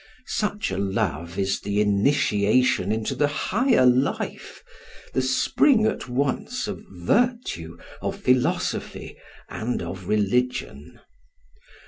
Such a love is the initiation into the higher life, the spring at once of virtue, of philosophy, and of religion.